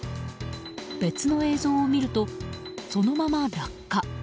別の映像を見るとそのまま落下。